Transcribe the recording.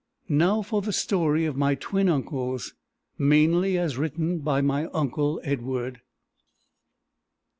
Now for the story of my twin uncles, mainly as written by my uncle Edward!